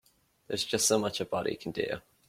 There's just so much a body can do.